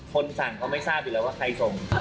คนสั่งเขาไม่ทราบอยู่แล้วว่าใครส่ง